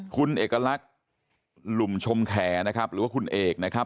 คุณเอกลักษณ์หลุมชมแขนะครับหรือว่าคุณเอกนะครับ